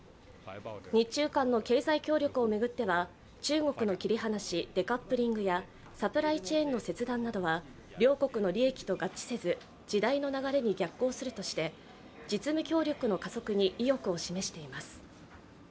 日中間の経済協力を巡っては、中国の切り離し＝デカップリングやサプライチェーンの切断などが両国の利益と合致せず時代の流れに逆行するとして、実務協力の加速に意欲を示しています。